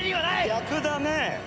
逆だね。